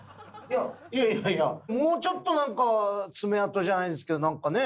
いやいやいやもうちょっとなんか爪痕じゃないですけどなんかね。